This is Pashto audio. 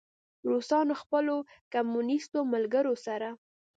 روسانو له خپلو کمونیسټو ملګرو سره.